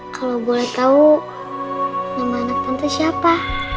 kalau boleh tahu nama anak pantai siapa